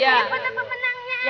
ya satu dua